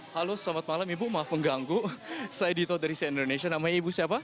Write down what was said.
halo selamat malam ibu maaf mengganggu si dito dari si indonesia namanya ibu siapa